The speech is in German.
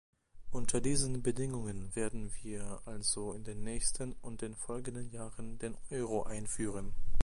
Unter diesen Bedingungen werden wir also im nächsten und den folgenden Jahren den Euro einführen.